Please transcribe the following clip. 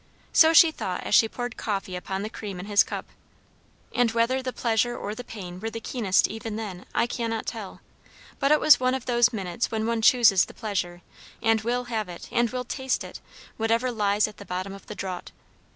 So she thought as she poured coffee upon the cream in his cup. And whether the pleasure or the pain were the keenest even then, I cannot tell; but it was one of those minutes when one chooses the pleasure, and will have it and will taste it, whatever lies at the bottom of the draught.